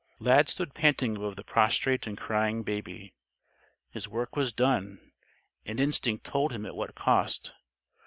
Lad stood panting above the prostrate and crying Baby. His work was done; and instinct told him at what cost.